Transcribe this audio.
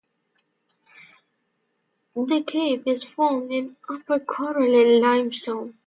The cave is formed in upper coralline limestone.